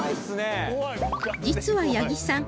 実は八木さん